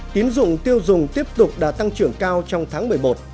tín dụng tiêu dùng tiếp tục đã tăng trưởng cao trong tháng một mươi một